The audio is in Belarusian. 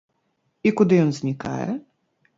І куды ён знікае?